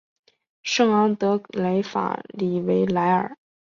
圣昂德雷法里维莱尔。